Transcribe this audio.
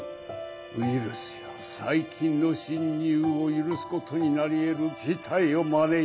ウイルスや細菌の侵入を許すことになりえる事態を招いたのです。